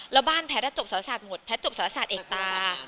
แล้วบ้านแพทย์จบสารศาสตร์หมดแพทย์จบสารศาสตร์เอกตา